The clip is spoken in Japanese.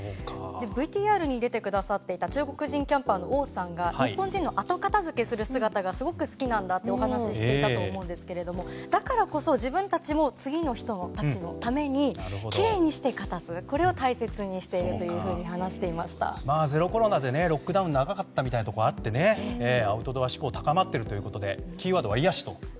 ＶＴＲに出てくださっていた中国人キャンパーの王さんが、日本人の後片付けをする姿がすごく好きなんだとお話ししていたと思うんですけれどもだからこそ、自分たちも次の人たちのためにきれいにするということを大切にしているとゼロコロナでロックダウンが長かったこともあってアウトドア志向が高まっているということでキーワードは癒やし。